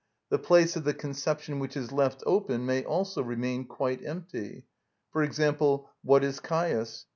The place of the conception which is left open may also remain quite empty; for example, "What is Caius?"